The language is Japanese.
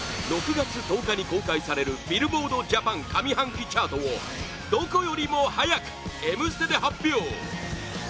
６月１０日に公開されるビルボード・ジャパン上半期チャートをどこよりも早く「Ｍステ」で発表